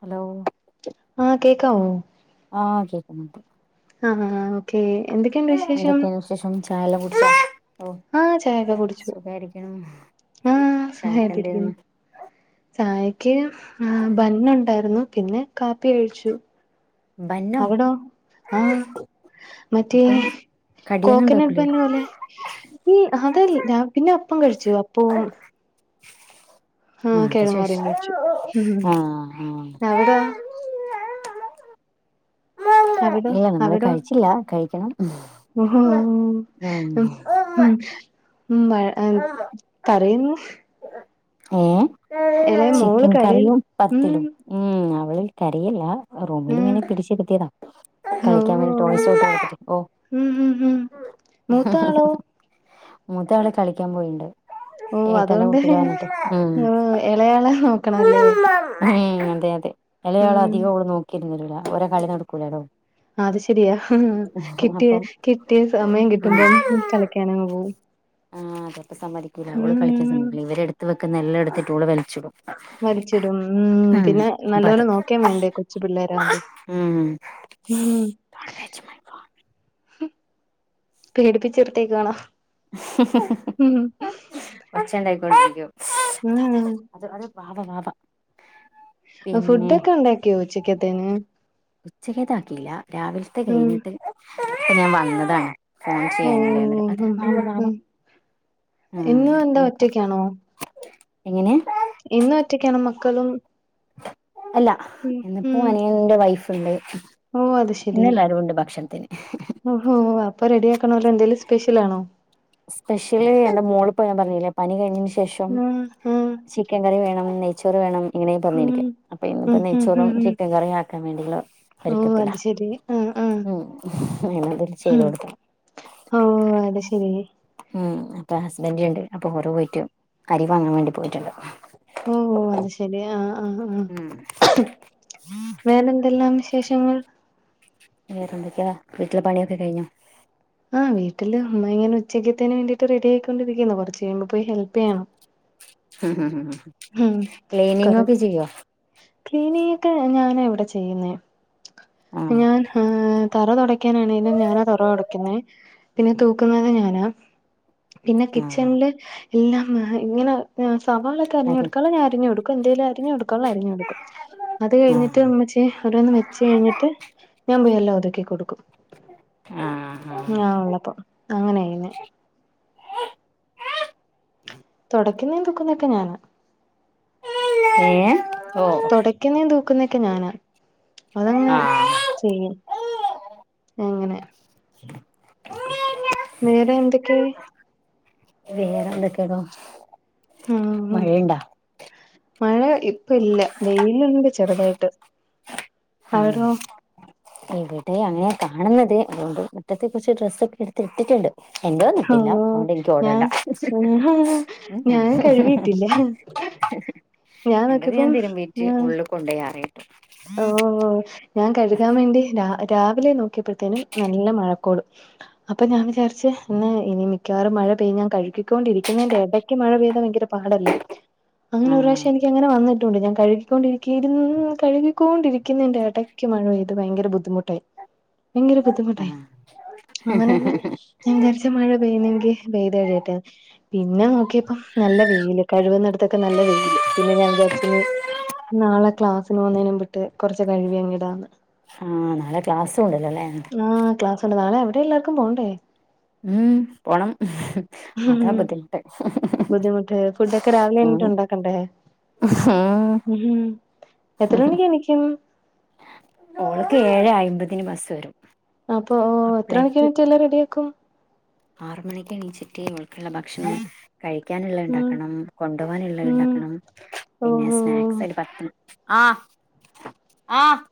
Hello ആഹ് കേക്കാവോ? ആഹ് കേക്കുന്നുണ്ട്. ആണോ ഓക്കേ എന്തക്കെണ്ട് വിശേഷം? ഷം ചായെല്ലാം കുടിച്ചോ? ഓ ആഹ ചായക്കെകുടിച്ചു സുഖായിരിക്കണു ആഹ ചായക്കെന്തേരുന്നു സുഖായിട്ടിരിക്കുന്നു. ചായക്ക് ആ ബന്ന്ണ്ടായിരുന്നു പിന്നെ കാപ്പി കഴിച്ചു. ബന്നോ? ആഹ മറ്റേ അപ്പം കടിയൊന്നും കോക്കനട്ട് ഉണ്ടാക്കൂലേ ബന്ന് പോലേ. ഈ അതല്ല പിന്നപ്പം കഴിച്ചു അപ്പോം ആഹ ആഹ് അതാ ചോയിച്ചേ കെഴങ്ങറിയും കഴിച്ചു ആഹ് മ് അവിടോ? ആഹ് ഏ അവിടോ ഇല്ല നമ്മള് കഴിച്ചില്ല കഴിക്കണം. മ്മ്ഹ് ഉം മ്മ്ഹ് മ്മ് വഴ്ങ്ങാം തരയുന്നു. ഏ മോള് ചിക്കൻ കരയുന്നു കറിയും ഉം പത്തലും. ഉം അവള് കരയല്ലാ. ഉം റൂമിലിങ്ങനെ പിടിച്ചിരിത്തിയതാ ഓ കളിക്കാൻ വേണ്ടി ടോയ്സൊക്കെട്ത്തിട്ട് ഓ ഉം ഉം ഉ ഉം മൂത്താളോ? മൂത്താള് കളിക്കാൻ പോയിണ്ട്. ഓ അതുകൊണ്ട് [unintelligible] വന്നിട്ട് ഉ ഓ ഇളയാളെ നോക്കണല്ലേ [unintelligible] ഏഹ്, അതെ അതെ എല്ലയവള് ഉം അധികൊള് നോക്കിര്ന്നേരൂല ഓളെ കളി നടക്കൂലല്ലോ. അഹ് അത് ശെരിയാ കിട്ടിയ അപ്പം കിട്ടിയ സമയം ഉം കിട്ടുമ്പം കളക്കാനങ് പോവും. ആഹ് അതപ്പ സമ്മതിക്കൂല്ല ഓള് ഉം കളിക്കാൻസമ്മതിക്കില്ല ഇവരെടുത്ത് വെക്ന്ന എല്ലാം എടുത്തിട്ട് ഓള് വലിച്ചിടും. വലിച്ചിടും ഉം പിന്നെ നല്ലോലെ നോക്കേം വേണ്ടേ കൊച് പിള്ളേരാവുമ്പോ. ഉംമ്മ്. ഉംമ്. പേടിപ്പിച്ചിർത്തേക്കാണോ? ഒച്ചണ്ടായിക്കൊണ്ടിരിക്കും. ഉം വാവ വാവാ. അ ഫുഡോക്കെണ്ടാക്കിയൊ ഉച്ചക്കത്തേന്? ഉച്ചക്കേതാക്കിയില്ല രാവിലത്തെ ഉം കഴിഞ്ഞിട്ട് ഞാൻ വന്നതാണ്. ഫോൺ ഓ ചെയ്യാനല്ലേ ഉം ഉം [unintelligible] വാവ ഉം ഉമ് ഇന്നും എന്താ ഇഞ്ഞിപ്പോ ഒറ്റക്കാണോ എങ്ങനെ? ഇന്നും ഒറ്റക്കണോ മക്കളും? അല്ല ഉം ഇന്നിപ്പോ ഉം അനിയന്റെ വൈഫ്ണ്ട്. ഓ അത്ശ ഇന്നെല്ലാരുണ്ട് ഭക്ഷണത്തിന് ഓഹൊ അപ്പറെഡിയാക്കണല്ലോ എന്തെലും സ്പെഷ്യലാണോ? സ്പെഷ്യല് എന്റെ മോള്പോ ഞാന് പറഞ്ഞില്ലേ പനി കഴിഞ്ഞയിന് ശേഷം. ആഹ് ആഹ് ചിക്കൻ കറി വേണം നെയ്ച്ചോറ് വേണം ഇങ്ങനെ ഉം പറഞ്ഞിരിക്കാം അപ്പ ഉം ഇന്നപ്പോ ഉം നെയ്ച്ചോറും ഉം ഉം ചിക്കൻ കറിയും ആക്കാ ക്കാൻ വേണ്ടിള്ള ഓ ഒരുക്കത്തില അത് ശെരി ആഹ് ആഹ് ഉം അതില് ചെയ്ത് കൊട്ക്കണം. ഓഹ് അത് ശരി. ഉം അപ്പം ഹസ്ബൻഡണ്ട് അപ്പൊ ഓര് പോയിട്ട് അരി വാങ്ങാൻ വേണ്ടി പോയിട്ട്ണ്ട്. ഓഹ് ഓഹ് അത് ശെരി ആഹ് ആഹ് ആഹ് ഉം വേറെന്തെല്ലാം വിശേഷങ്ങൾ വേറെന്തൊക്കയാ വീട്ടില് പണിയൊക്കെ കഴിഞ്ഞോ ആഹ്‌ വീട്ടില് ഉമ്മ ഇങ്ങനെ ഉച്ചക്കേതെന് വേണ്ടിയിട്ട് റെഡി ആയിക്കൊണ്ടിരിക്കുന്നുന്നു കൊറച്ച് കയിമ്പോ പോയി ഹെൽപ് ചെയ്യണം ഉം ഉം ഉം ഹും [unintelligible] ലീവ്വാ ക്ലീനിക്കെ ഞാനാ ഇവിടെ ചെയ്യുന്നേ ആഹ് ഞാൻ ആഹ്‌ തറ തുടയ്ക്കാനാണെേലും ഞാനാ തറ തുടക്കുന്നത് പിന്നെ തൂക്കുന്നത് ഞാനാ പിന്നെ ആഹ് കിച്ചണില് എല്ലാം ഇങ്ങനെ സവാള ആര് അരിഞ്ഞുടുക്കാാലോ ഞാൻ അരിഞ്ഞു കൊടുക്കും എന്തേല് അരിഞ് കൊടുക്കാ അരിഞ്ഞു കെടുക്കും അത് കഴഞ്ഞിട്ട് ആഹ് ഇമ്മചി ഓരോന്ന് വെച് കഴിഞ്ഞിട്ട് ഞാൻ പോയി എല്ലാം ഒതുക്കി കൊടുക്കും ആഹ്‌ ആഹ്‌ ഞാൻ ഉള്ളപ്പോ അങ്ങനെ ചെയ്യിനെ തുടക്കുന്നെ തുക്കുന്നൊക്കെ ഞാനാ ഏഹ്‌ ഓഹ്‌ തൊടക്കുന്നേ തൂക്കുന്നൊക്കെ ഞാനാ അതങ്ങ് ആഹ് ചെയ്യും അങ്ങനെ വേറെ എന്തൊക്കെയ വേറെ എന്തൊക്കെയെ ഇപ്പം ആഹ് മഴയുണ്ടാ മഴ ഇപ്പ ഇല്ല വെയിലുണ്ട് ചെറുതായിട്ട് ആ അവിടോ ഇവിടെ അങ്ങനെയാ കാണുന്നത് അതുകൊണ്ട് മുറ്റത്ത് കൊറച്ച് ഡ്രസ്സ് ഒക്കെ എടുത്തി ഇട്ടിട്ടുണ്ട് എന്റെതൊന്നും ഇട്ടില്ല ഓഹോ അതുകൊണ്ട് എനിക്ക് ഓടണ്ട ഞാൻ ഉം ഉം ഞാൻ കഴുകിയിട്ടില്ല [inaudible] എന്റത് ഞാൻ തിരുമ്പീറ്റ് ഉളള് കൊണ്ടോയി ആറിയിട്ടു ഓഹോ ഓഹ് ഞാൻ കഴുകാൻ വേണ്ടി രാവിലെ നോക്കി നോക്കിപ്പോഴത്തേനും നല്ല മഴക്കോള് അപ്പൊ ഞാൻ വിചാരിച്ച് ഇന്ന് ഇനി മിക്കവാറും മഴ പെയ്യ ഞാൻ കഴുകിക്കൊണ്ടിരിക്കുന്നതിന്റെ ഇടയ് ക്ക് മഴ പെയ്താ ഭയങ്കര പാടല്ലേ അങ്ങനെ ഒരു ആഹ് പ്രാവശ്യം എനിക്ക്. അങ്ങനെ വന്നിട്ടുണ്ട് ഞാൻ കഴുകിക്കൊണ്ടിരിക്കയിരു കഴുകി ക്കൊണ്ടിരിക്കുന്നതിന്റെ ഇടയ്ക്ക് മഴ പെയ്ത് ഭയങ്കര ബുദ്ധിമുട്ടായി ഭയങ്കര ബുദ്ധിമുട്ടായി ആഹ് അങ്ങനെന്നെ ഞാൻ വിചരിച് മഴ പെയ്യുന്നെങ്കിൽ പെയ്ത് കഴിയട്ടെ പിന്നെ നോക്കിയപ്പം നല്ല വെയില് കഴുകുന്നിടുത്തൊക്കെ നല്ല വെയിയില് പിന്നെ ഞാൻ വിചാരിച്ച് ഇനി നാളെ ക്ലാസ്സിന് പൊകുന്നെനുമ്പയിട്ട് കൊറച് കഴികി അങ്ങ് ഇടാന്ന് ആഹ്‌ നളെ ക്ലാസ്സ് ഉണ്ടല്ലോല്ലേ ആഹ്‌ ക്ലാസ്ണ്ട് നാളെ അവിടെ എല്ലാവർക്കും പോകണ്ടേ ഉം പോണം അതാ ഉം ബുദ്ധിമുട്ട് ബുദ്ധിമുട്ട് ഫുഡൊക്കെ രാവിലെ ഉം ഉം എണീറ്റ് ഉണ്ടാക്കണ്ടേ ഉം ഉം എത്ര മണിക്ക് എണിക്കും ഓൾക്ക് ഏഴെ അയിമ്പതിന് ബസ്സ് വരും അപ്പൊ എത്ര അപ്പളേക്ക് മണിക്കെണീറ്റ്എല്ലാം റെഡിയാക്കും ആറ് മണിക്ക് എണീചിറ്റി ഓൽക്കുള്ള ഭക്ഷണം കഴിക്കാനുള്ളത് ഉം ഉണ്ടാക്കണം കൊണ്ടുപോകാനുള്ളത് ഉം ഉണ്ടാക്കണം പിന്നെ ഓഹ് സ്നാക്സ് രി പത്ത് മിന്റ് ആഹ്‌ ആഹ് [inaudible]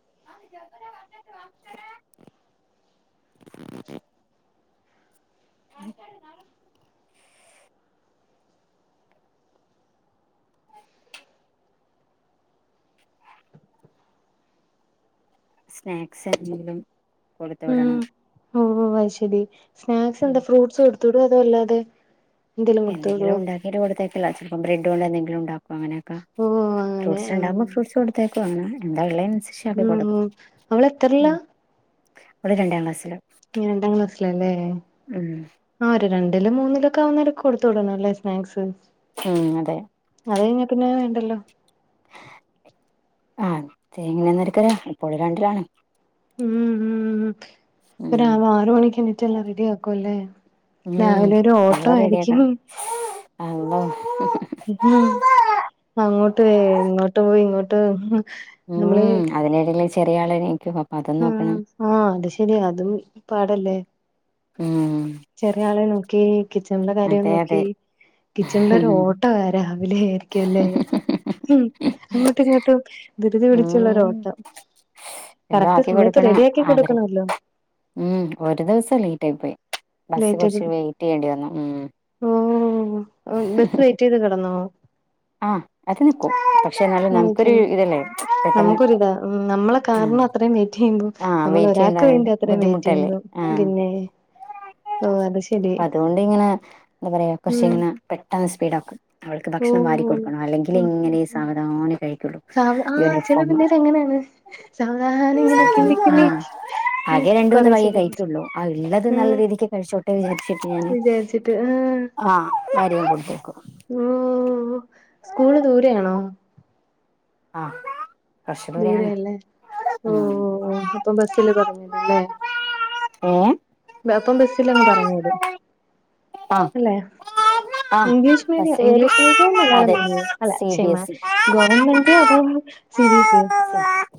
[inaudible] സ്നാക്സ് എന്തെങ്കിലും കൊടുത്ത് വിടണം ഓഹ് ഓഹ് അയി ശെരി സ്നാക്സ് എന്താ ഫ്രൂട്ട്സ് കൊടുത്തടൂ അതോ അല്ലാതെ എന്തേലും കൊടുത്തു വിടോ എന്തെങ്കും ഉണ്ടാക്കിട്ട കൊടുത്തേക്കല്ല ചപ്പ ബ്രഡ് കൊണ്ട് എന്തങ്കിലും ഉണ്ടാക് അങ്ങനെയക്ക ഓ അങ്ങനെ ഫ്രൂട്സ് ആ ഉണ്ടാവുമ്പോ ഫ്രൂട്സ് കൊടുത്തേക്കും അങ്ങന എന്താ ഉള്ള അനുസരിച് ഉം അവളതറില ഓള് രണ്ടാം ക്ലാസ്സില് രണ്ടാം ക്ലാസ്ല്ല് ല്ലേ ഉം ആഹ ഒരു രണ്ടിലും മൂന്നില ഒക്കെ ആവുന്നര കൊടുത്ത വിടണ അല്ലേ സ്നാക്സ് ഉം അതെ അത കയിഞ്ഞാ പിന്നെ വേണ്ടല്ലോ ആഹ് തേങ്ങനെയന്നക്കല ഇപ്പോൾ രണ്ടിലാണ് ഉം ഉം ഉം ഒരാൾ ആറ് മണിക്ക് എണിട്ട എല്ലാം റെഡി ആക്കും ല്ലേ രാവിലെ ഒരു ഓട്ടോ ആയിരിക്കും അന്തോ ഉം അങ്ങോട്ട് ഇങ്ങോട്ട് പോയി ഇങ്ങോട്ട് നമ്മള് ഉം അതിടങ്കിലും ചെറിയ ആളെ നക്കും അപ്പൊ അത നോക്കണം ഉം ആഹ് അത് ശരിയാ അതും പാടല്ലേ ഉം ചെറിയ ആളെ നോക്കി കിച്ചണിലെ കാര്യം അതെ അതെ നോക്കി കിച്ചണിലൊരു ഓട്ട രാവിലെ ആയിരിക്കുംല്ലേ ഉം അങ്ങോട്ട ഇങ്ങോട്ടും ധൃതി പിടിച്ചുള്ളരു ഉം ഓട്ടം എല്ലാം കറക്റ്റ് ആക്കി സമയത്ത് കൊടുക്കണം റെഡി ആക്കി അവര് കൊടുക്കണല്ലോ ഉം ഒരു ദിവസം ലേറ്റ് ആയി പോയി ബസ് കുറച്ച് വെയിറ്റ് ചെയ്യേണ്ടി വന്നു ഉം ഓഹ ബസ്സ് വെയിറ്റ് ചെയ്ത് കിടന്നോ ആഹ അത് നക്കൂ പക്ഷെ എന്നാലും നമുക്കൊരു എനിക്കും ഇതല്ലേ പെട്ടെന്ന് നമുക്കൊരിതാ ഉം, നമ്മളെ ആഹ കാരണം അത്രയും വെയിറ്റ് ചെയ്യുമ്പോ ആഹ് നമ്മൾ വെയിറ്റ് ചെയ്യണ്ട ഒരാൾക്ക് വേണ്ടി അത്രയും വെയിറ്റ് ബുദ്ധിമുട്ടല്ലേ ചെയ്യുമ്പോ ആഹ് പിന്നെ ഓഹ് അത് ശരി അതുകൊണ്ട് ഇങ്ങനെ എന്താ പറയാ കുറച്ച ഉം ഇങ്ങനെ പെട്ടെന്ന് സ്പീഡ ആക്കും അവൾക്ക് ഭക്ഷണം വാരി ഓഹ് ഉം കൊടുക്കണം അല്ലെങ്കിൽ ഉം ഇങ്ങനെ ഉം സാവധാന കഴിക്കുള്ളൂ യൂണിഫോം സാവധാനങ്ങനേ ആഹ ആകെ രണ്ട മൂന്ന് കൊറേശ്ശെ വയ്യെ കൊറേശ്ശെ കഴിക്കുള്ളൂ ആഹ ഉള്ളത് നല്ല ഉം രീതിക്ക് കഴിച്ചോട് വിചാരിച്ചിട്ട് ഞൻ വിചാരിച്ചിട്ട് ആഹ് ആഹാരം കൊടുത്തേക്കും ഓഹ സ്കൂള് ദൂരെ ആണോ ആഹ് ദൂരെ അല്ലേ ഓഹ അപ്പൊ ബസ്സില് പറഞ്ഞരും ല്ലേ ഏഹ് അപ്പം ബസ്സില അങ്ങ് പറഞ്ഞോടും ആ അല്ലെ ആ ഇംഗ്ലീഷ് മീഡിയം ബസ് വരും ഇംഗ്ലീഷ് മീഡിയവും മലയാളം അതെ മീഡിയവും അല്ല സി ചെ ബി മ എസ് ഇ - ഗവൺമെന്റ് അതോ, സി. ബി. എസി. യോ.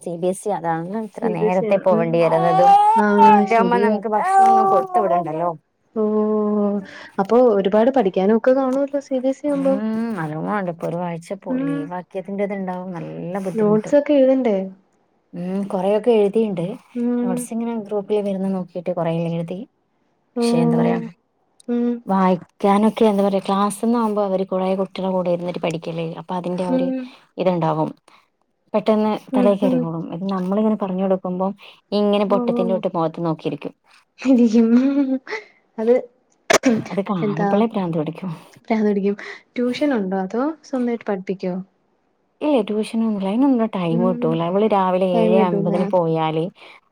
സി. ബി. എസ്. ഇ. അതാണല്ല ഇത്ര സി ബി എസ് ഇ നേരത്തെ ആണ് ഉം പോവേണ്ടി- വരുന്നതും. ആഹ് റ്റവുമ്മ പറഞ്ഞ ശരിയാ നമുക്ക്- ആഹാ കൊട്ത് വിടണ്ടല്ലോ? ഓ അപ്പോ ഒരുപാട്- പഠിക്കാനൊക്കെ കാണുവല്ലോ. C. B. A. C. S E ആവുമ്പോ ഉം, നലോണണ്ട് ഇപ്പോ ഒരു ആഴ്ച- ഉം പോലീവക്യത്തിറത്ണ്ടാവും നല്ല ബു- - നോട്ട്സ് ഒക്കെ എഴതണ്ടേ? ഉം കൊറെയൊക്കെ- എഴുതിയുണ്ട്. ഉം നോട്സ് ഇങ്ങനെ- ഗ്രൂപ്പില് വരുന്ന നോക്കിട്ട് കൊറെല്ലാം എഴുതി. ഓ ക്ഷെ എന്താപറയാ- ഉം വായിക്കാനൊക്കെ, എന്താ പറയാ ക്ലാസ്ന്ന്- ആകുമ്പോ അവ കുട്ടകളുടെ- കൂടെ ഇുന്നിട്ട് പഠിക്കില്ലേ അഅപ്പോ അതിന്റെ ആ, ഉം ഒരു- ഇത്ണ്ടാവും പെട്ടെന്ന് ഉം തലേ- ഉം കറുകളും ഇത് നമ്മളിങ്ങനെ- പറഞ്ഞു കൊടുക്കുമ്പോൾ- ഇങ്ങനെ ഓ പൊട്ടത്തിന്റെ തൊട്ട്- മുഖത്ത് നോക്കിരിക്കും. ഇരിക്കും അത് അതൊ കാണുമ്പള്ളെ- പ്രാന്തോടിക്കും. ന്ന് പിടിക്കും, ട്യൂഷൻ ഉണ്ടോ? അതോ സ്വന്തമായിട്ട് പഠിപ്പിക്കോ? ഏ ട്യൂഷനൊന്നുല്ല, അയിനൊന്നും- ടൈം ഉം കിട്ടൂല്ല നമ്മള് രാവിലെ- ടൈം ഏഴ് കിട്ടൂല അമ്പതിന് പോയാല്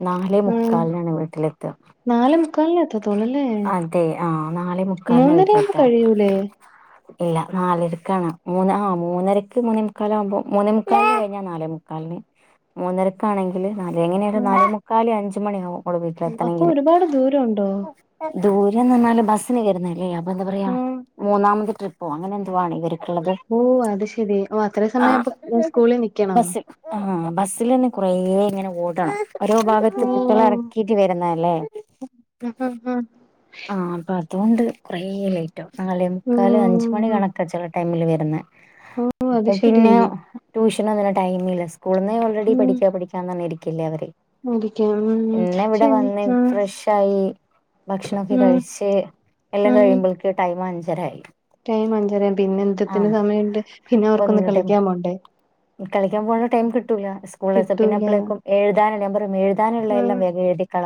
നാല്- ഉം മുക്കാലിനാണ് വീട്ടിലെത്തുക. നാലേ മുക്കാലിന് എത്തത്തോളൂ അല്ലേ അതെ ആഹാ നാലേമുക്കാലനാ- മൂന്നര ആവുമ്പോ വീട്ടിലെത്ത. കഴിയൂലേ ഇല്ല നാലരക്കാണ്, മൂന്ന് ആ, മൂന്നരക്ക് മൂന്ന- മുക്കാല ആകുമ്പോൾ മൂന്ന, മുക്കാലി കിഞ്ഞാൽ നാലേ- മുക്കാലിന്, മൂന്നരക്ക ആണെങ്കിൽ- നാല എങ്ങനെയ ഉം നാലേ - മുക്കാൽ, അഞ്ചുമണി ആകും- കുടെ വീട്ടില എത്തന അപ്പൊ കില്. ഒരുപാട് ദൂരം ഉണ്ടോ ദൂരന്ന് പറഞ്ഞാല് ബസ്സിന്- വരുന്നല്ലേ അപ്പോ എന്താ പറയാ- ആഹ് മൂന്നാമത് ട്രിപ്പോ അങ്ങനെ എന്തുവാണ വരുന്നത്. [unintelligible] ഓ അത് ശെരി, ഓ അത്ര- സമയം അപ്പോ സ്കൂളിൽ- നിൽക്കണം. ആഹ ബസ്സൽന്ന് കുറഇങ്ങനെ- ഓടണം. ഓരോ ഭാഗത്ത് ഓ. കുട്ടികള- ഇറക്കിട്ട് വരുന്നല്ലേ. ഉം, ഉം, ഉം, ആ, അപ്പോ അതുകൊണ്ട്- കുറെ ലേറ്റ്കും. നാലേ മുക്കാൽ- അഞ്ച്മണി ഉം. കണക്കാണ് ചില ടൈമിൽ വരുന്നത്. ഓ അത് അപ്പോ ശെരി. പിന്ന- ട്യൂഷന ഒന്നനെ ടൈമില്ല, സ്കൂള്- നിന്നെ ഓൾറെഡി ഉം. പഠിക്കാ, പഠിക്കാന്ന് പറഞ്ഞ ഇരിക്കില്ലേ- അവര്. ഇരിക്കാം. ഉം പിന്നെ ഇവിടെ ശരി. വന്ന് ആഹ് ഫ്രഷ് ആയി- ഫുഡ്ക്കെ ഉം കഴിച്ച് എല്ലാം- ഉം. കഴിയുമ്പോൾക്ക് ടൈം- അഞ്ചരായി. ടൈം അഞ്ചരാം, പിന്നെ- ആഹ എന്ത്തിന് സമയണ്ട്, പിന്നെ- അവർക്കൊന്ന് ഒന്നിനും ടൈം കളിക്കാൻ പോണ്ടേ? കളിക്കാൻ പോകവാണ്ട ടൈം- കിട്ടൂല സ്കൂൾ, സം പിന്നെ അ, കിട്ടൂല. പ്പോഴേക്കും എഴുതാന എല്ലാ- പറയും. എുതാനുള്ള ഉം എല്ലാം- എഴുതി, ക,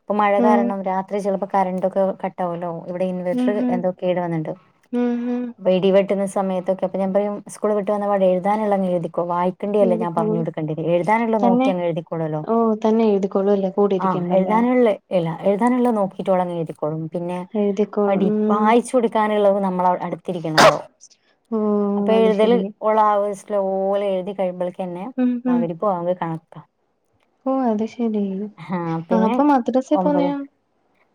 ഇപ്പോ മഴ ഉം കാരണം രാത്രി- ചിലപ്പോ കറന്റക്കെ - ട്ടല്ലോ ഇവിടെ ഉം ഇൻവെർട്ടർ- എന്തൊക്കെ ഇട വന്നിണ്ട്. ഉം ഉം ഉം. ഇടിവെട്ടുന്ന സമയത്തൊക്കെ- അപ്പോ ഞാൻ പറയും. സ്കൂളവിട്ട് വന്നപാടാ എഴുതാനുള്ളത- എഴതിക്കോ വ എക്കേണ്ടില്ലേ ഞാൻ പറഞ്ഞു- എഴുതിക്കോളും. കൊടുക്കേണ്ടിഉളു. എഴുതാനുള്ള- നോക്കി തന്നെ അങ്ങ് എഴുതിക്കൊളല്ലോ? ഓ തന്നെ എഴുതിക്കോളും അല്ലേ കൂടെ ആ, ഇരിക്കണ്ടല്ലേ. എഴുതാനുള്ള- ഇല്ല എഴുതാനുള്ള നോക്കിട്ടോള- അങ്ങനെ എഴുക്കോളും. പിന്നെ എഴുതിക്കോളും. പഠി, ഉം. വായിച്ച- ചോടുക്കനുള്ളത് നമ്മ- അടുത്തിരിക്കണല്ലോ? ഓ അപ്പോ അത് എഴുതൽ- ശെരി. ഇപ്പോള ആ, ഒരു സ്ലോല എഴുതി- കഴിയുമ്പോളേക്കന്നെ- ഉം ഉം. ബാഗ്‌രിബ് ബാങ്ക് കണക്ക. ഓ അത് ശരി, ആ..., അപ്പോ മദ്രസ- പോന്നെപോഴാ?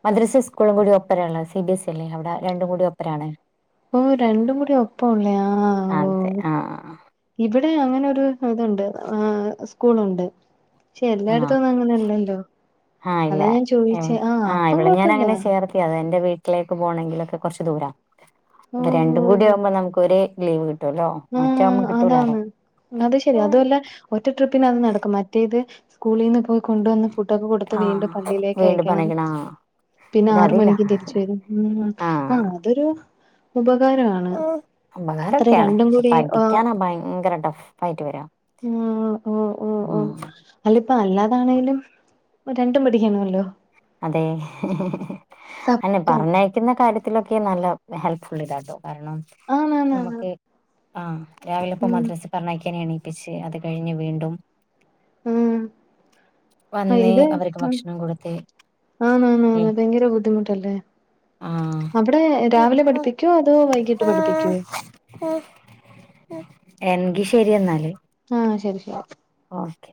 മദ്രസേം സ്കൂളും കൂടി ഒപ്പരേള്ള- സി. ബി. എസി അല്ലേ? അവിടെ- രണ്ടും കൂടി ഒപ്പരാണ്. ഓ രണ്ടണ്ട് കുടിഒപ്പംല്ലയാ ഓ.., അതെ ആഹ് ഇവിടെ അങ്ങനെരു ഇതുണ്ട്. ആ..., സ്കൂളുണ്ട്. പക്ഷെ ആഹ് എല്ലായിടത്തുംഒന്നുംഇ ങ്ങനെല്ലല്ലോ? ആഹ് ഇല്ല അതാ ഞാൻ, ചോയിച്ചേ, ആഹ..., അപ്പം, കൊഴപ്പില്ല. ആഹാ എന്റെ വീട്ടിലേക്ക്- പോകണെങ്കിലൊക്കെ കുറച്ച് ദൂരാ- ഓ അപ്പോ ഓ രണ്ടും കൂടി ആകുമ്പോൾ- നമുക്ക്ൊ ലീവ് കിട്ടുവല്ലോ ആ മറ്റാകുമ്മ കിട്ടൂലാലോ അതാണ് അത് ശെരി അതുഅല്ല ഒറ്റ ട്രിപ്പിനത് നടക്കും. മറ്റേത് സ്കൂളീന്ന് പോയി കൊണ്ടുവന്ന് ഫുട്ടൊക്കെ കൊടുത്ത് വീണ്ടും ആഹ് പള്ളിയിലേക്ക് വീണ്ടും അയക്കണം. പറഞ്ഞേക്കണ ആഹ് ഇത് പിന്നാറ് അതില്ല മണിക്ക് തിരിച്ചു വരും ഉം ആഹ് അതൊരു ഉപകാരമാണ് അത്ര ര ഉപകാരൊക്കെയാണ് പഠിക്കാനാ ഭയങ്കര ടഫ്ഫായിട്ട് വരാ ഓഹ് ഓ ഓ ഓ ഉം അല്ലപ്പ അല്ലാതാണെങ്കിലും രണ്ടും പടിക്കണവല്ലോ അതെ അന്നെ സത്യം പർനെ പിന്ന കാര്യത്തിലൊക്കെ നല്ല ഹെൽപ്ഫുൾ ഇതാ ട്ടോ കാരണം ആണാണാണ് നമ്മക്കേയ് ആഹ് രാവിലെപ്പൊ ഉം മദ്രസ് പർഞയക്കാനെണീപ്പിച്. അത് കഴിഞ് വീണ്ടും ഉം വന്ന് അവർക്ക് ഭക്ഷണം കൊടുത്ത് ആന്നാന്നാന്ന്.. ഏഹ് ഭയങ്കര ബുദ്ധിമുട്ടല്ലേ ആഹ് അവിടെ രാവിലെ പഠിപ്പിക്ക്യോ അതോ വൈകീട്ട് പഠിപ്പിക്ക്യോ എൻങ്കി ശരി എന്നാല് ആഹ് ശരി ശരി ഓക്കെ